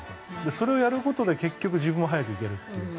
それをやることで結局自分も早く行けるという。